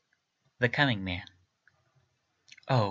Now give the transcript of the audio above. THE COMING MAN Oh!